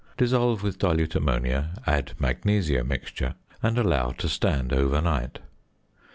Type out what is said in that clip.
Dissolve with dilute ammonia, add "magnesia mixture," and allow to stand overnight.